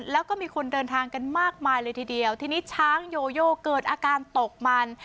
แล้วก็มีคนเดินทางกันมากมายเลยทีเดียวทีนี้ช้างโยโยเกิดอาการตกมัน